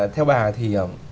theo bà thì